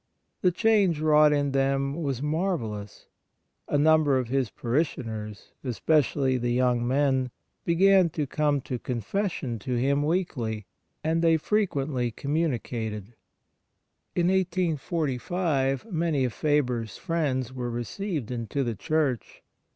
The change wrought in them was marvellous. A number of his parishioners, especially the young men, began to come to confession to him weekly, and they frequently communicated. In 1845 many of Faber's friends were received into the Church.